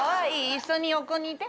一緒に横にいて？